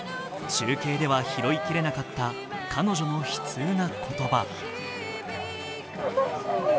中継では拾いきれなかった彼女の悲痛な言葉。